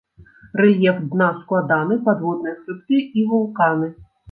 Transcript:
Рэльеф дна складаны, падводныя хрыбты і вулканы.